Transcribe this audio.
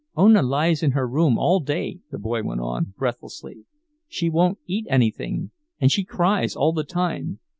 "Ona lies in her room all day," the boy went on, breathlessly. "She won't eat anything, and she cries all the time.